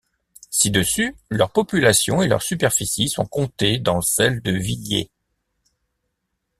Ci-dessus, leur population et leur superficie sont comptées dans celles de Vihiers.